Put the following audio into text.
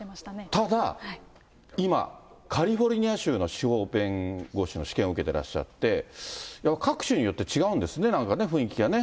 ただ、今、カリフォルニア州の司法弁護士の試験を受けてらっしゃって、やっぱり各州によって違うんですね、なんかね、雰囲気がね。